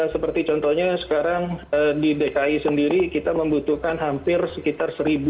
seperti contohnya sekarang di dki sendiri kita membutuhkan hampir sekitar seribu